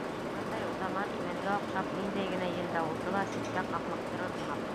Бындай уҙаман, имәнгә оҡшап, ниндәй генә ел-дауылды ла ситкә ҡаҡлыҡтырыр һымаҡ.